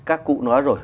các cụ nói rồi